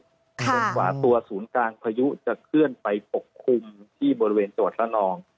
จนกว่าตัวศูนย์กลางพายุจะเคลื่อนไปปกคลุมที่บริเวณจังหวัดละนอง